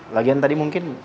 lagian tadi mungkin